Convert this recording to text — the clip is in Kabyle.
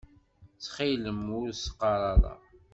Ttxil-m ur s-qqaṛ ara.